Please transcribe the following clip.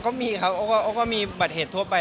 ก็มีครับโอ้คก็มีบะเทตทั่วไป